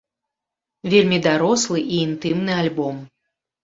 Вельмі дарослы і інтымны альбом.